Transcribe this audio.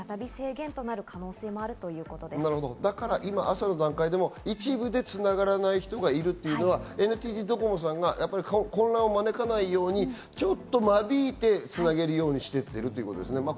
だから今、朝の段階でも一部で繋がらない人がいるというのはＮＴＴドコモさんが混乱を招かないようにちょっと間引いて、つなげるようにしていってるということですね。